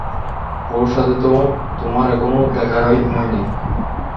ওর সাথে তো তোমার এখনও দেখাই হয়নি!